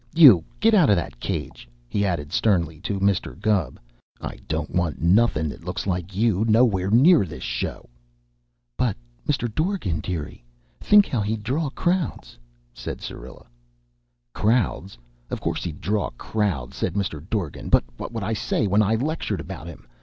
You get out of that cage!" he added sternly to Mr. Gubb. "I don't want nothin' that looks like you nowhere near this show." "But, Mr. Dorgan, dearie, think how he'd draw crowds," said Syrilla. "Crowds? Of course he'd draw crowds," said Mr. Dorgan. "But what would I say when I lectured about him?